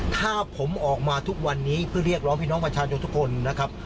ถ้าผมออกมาทุกวันนี้เพื่อเรียกร้องพี่น้องประชาชนทุกคนนะครับ